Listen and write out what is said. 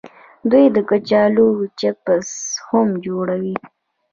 دوی د کچالو چپس هم جوړوي.